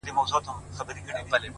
د خپلي ژبي په بلا _